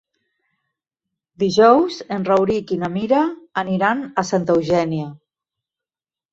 Dijous en Rauric i na Mira aniran a Santa Eugènia.